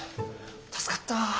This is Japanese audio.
助かった。